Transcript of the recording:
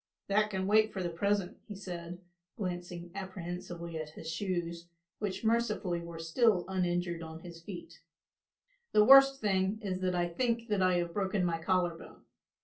"That can wait for the present," he said, glancing apprehensively at his shoes, which mercifully were still uninjured on his feet; "the worst thing is that I think that I have broken my collar bone.